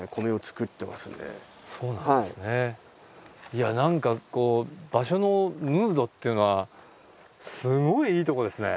いや何かこう場所のムードっていうのはすごいいいとこですね。